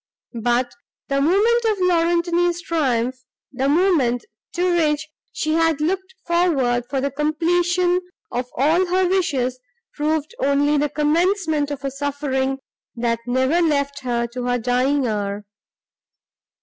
But the moment of Laurentini's triumph, the moment, to which she had looked forward for the completion of all her wishes, proved only the commencement of a suffering, that never left her to her dying hour.